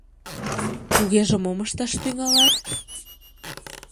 — Тугеже мом ышташ тӱҥалат?